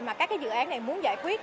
mà các dự án này muốn giải quyết